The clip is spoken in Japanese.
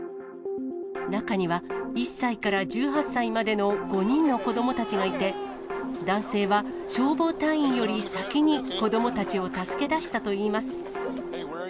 中には１歳から１８歳までの５人の子どもたちがいて、男性は消防隊員より先に子どもたちを助け出したといいます。